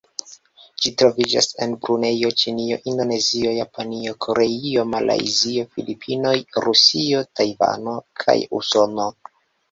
Ĝi troviĝas en Brunejo, Ĉinio, Indonezio, Japanio, Koreio, Malajzio, Filipinoj, Rusio, Tajvano kaj Usono.